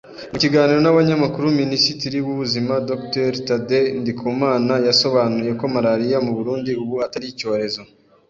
Mu kiganiro n'abanyamakuru, Minisitiri w'ubuzima Dr Thaddée Ndikumana yasobanuye ko malaria mu Burundi ubu atari icyorezo